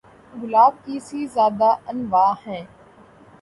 گلاب کی سے زیادہ انواع ہیں